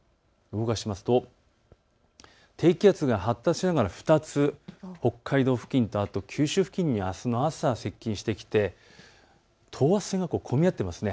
動かしますと低気圧が発達しながら２つ北海道付近と九州付近にあすの朝、接近してきて等圧線が混み合っています。